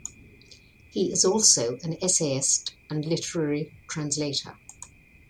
He is also an essayist and literary translator.